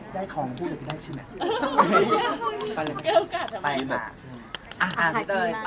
ได้ของพูดแต่ไม่ได้ชื่อน่ะ